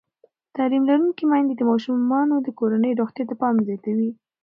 تعلیم لرونکې میندې د ماشومانو د کورنۍ روغتیا ته پام زیاتوي.